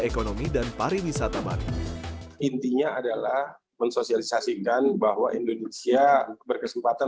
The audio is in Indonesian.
ekonomi dan pariwisata bali intinya adalah mensosialisasikan bahwa indonesia berkesempatan